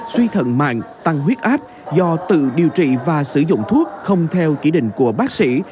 suy thận mạng tăng huyết áp do tự điều trị và sử dụng thuốc không theo chỉ định của bác sĩ